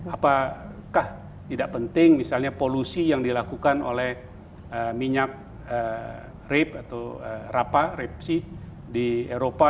apakah tidak penting misalnya polusi yang dilakukan oleh minyak rape atau rapa rapepsi di eropa